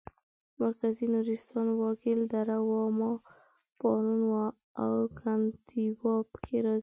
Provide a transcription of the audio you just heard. مرکزي نورستان وایګل دره واما پارون او کنتیوا پکې راځي.